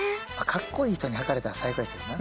かっこいい人にはかれたら最高やけどな。